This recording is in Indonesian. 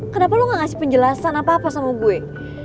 kenapa lu gak ngasih penjelasan apa apa sama gue